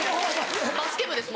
バスケ部です元。